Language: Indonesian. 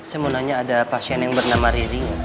saya mau nanya ada pasien yang bernama riri